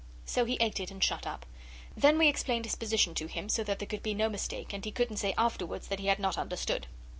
So he ate it and shut up. Then we explained his position to him, so that there should be no mistake, and he couldn't say afterwards that he had not understood.